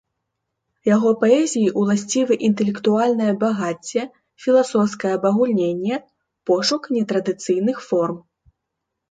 Яго паэзіі ўласцівы інтэлектуальнае багацце, філасофскае абагульненне, пошук нетрадыцыйных форм.